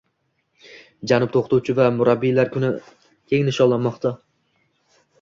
Janubda o‘qituvchi va murabbiylar kuni keng nishonlanmoqda